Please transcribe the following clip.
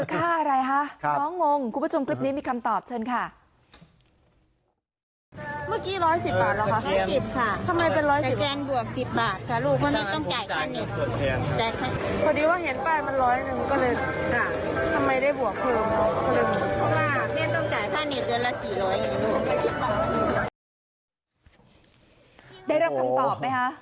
ได้รับคำตอบไหมฮะ